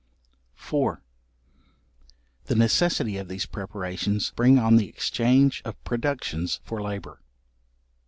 §4. The necessity of these preparations, bring on the exchange of productions for labour.